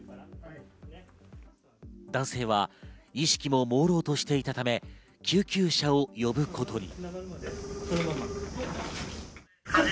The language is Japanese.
男性は意識も朦朧としていたため救急車を呼ぶことに。